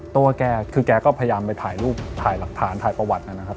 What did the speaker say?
ตัวแกคือแกก็พยายามไปถ่ายรูปถ่ายหลักฐานถ่ายประวัตินะครับ